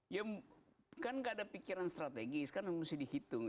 ya kan nggak ada pikiran strategis kan harus dihitung